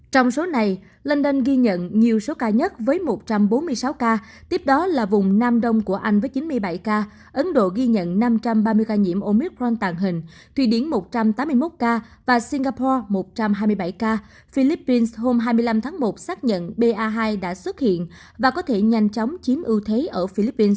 trong số này london ghi nhận nhiều số ca nhất với một trăm bốn mươi sáu ca tiếp đó là vùng nam đông của anh với chín mươi bảy ca ấn độ ghi nhận năm trăm ba mươi ca nhiễm omicron tàn hình thuỷ điển một trăm tám mươi một ca và singapore một trăm hai mươi bảy ca philippines hôm hai mươi năm tháng một xác nhận ba hai đã xuất hiện và có thể nhanh chóng chiếm ưu thế ở philippines